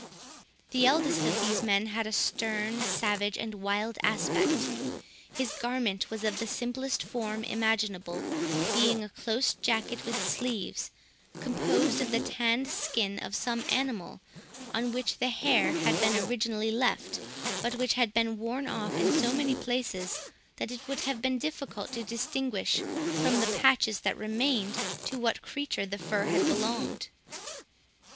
The eldest of these men had a stern, savage, and wild aspect. His garment was of the simplest form imaginable, being a close jacket with sleeves, composed of the tanned skin of some animal, on which the hair had been originally left, but which had been worn off in so many places, that it would have been difficult to distinguish from the patches that remained, to what creature the fur had belonged.